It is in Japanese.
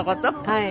はい。